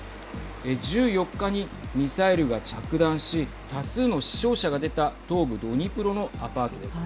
１４日にミサイルが着弾し多数の死傷者が出た東部ドニプロのアパートです。